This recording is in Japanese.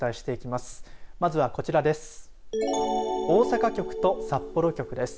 まずはこちらです。